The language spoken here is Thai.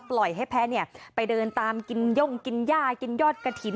ปล่อยให้แพ้ไปเดินตามกินย่งกินย่ากินยอดกระถิ่น